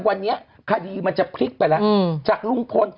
วันนี้คดีมันจะพลิกไปแล้วจากลุงพล